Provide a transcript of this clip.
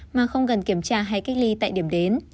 mà không cần kiểm tra hay cách ly tại điểm đến